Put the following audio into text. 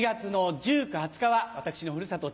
７月１９日２０日は私のふるさと